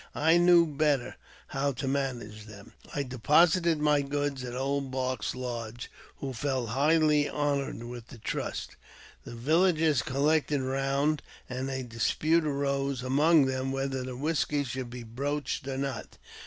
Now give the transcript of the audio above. I knew better how to manage them. I deposited my goods at Old Bark's lodge, who felt highly honoured with the trust. The villagers collected round, and a dispute arose among them whether the whisky should be broached or not.